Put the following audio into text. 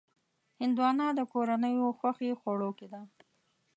هندوانه د کورنیو خوښې خوړو کې ده.